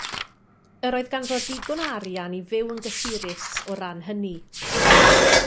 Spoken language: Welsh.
Yr oedd ganddo ddigon o arian i fyw yn gysurus o ran hynny.